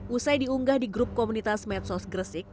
usai diunggah di grup komunitas medsos gresik